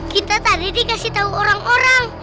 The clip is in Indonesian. kita tadi dikasih tahu orang orang